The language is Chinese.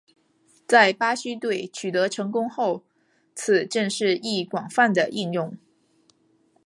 在巴西队取得成功后此阵式亦广泛地应用。